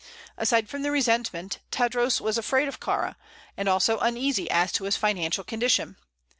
Aside from the resentment, Tadros was afraid of Kāra, and also uneasy as to his financial condition.